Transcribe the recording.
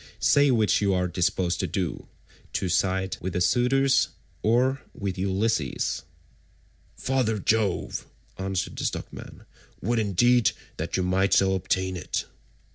Say which you are disposed to do—to side with the suitors, or with Ulysses?" "Father Jove," answered the stockman, "would indeed that you might so ordain it.